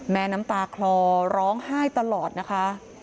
น้ำตาคลอร้องไห้ตลอดนะคะ